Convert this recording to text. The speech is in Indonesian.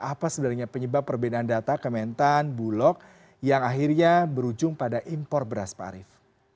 apa sebenarnya penyebab perbedaan data kementan bulog yang akhirnya berujung pada impor beras pak arief